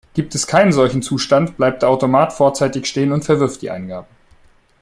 Gibt es keinen solchen Zustand, bleibt der Automat vorzeitig stehen und verwirft die Eingabe.